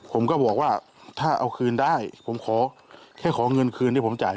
ผมก็บอกว่าถ้าเอาคืนได้ผมขอแค่ขอเงินคืนที่ผมจ่าย